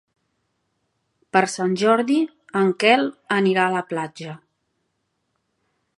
Per Sant Jordi en Quel anirà a la platja.